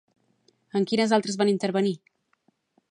En quines altres van intervenir?